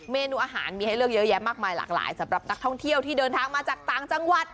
เมนูอาหารมีให้เลือกเยอะแยะมากมายหลากหลายสำหรับนักท่องเที่ยวที่เดินทางมาจากต่างจังหวัด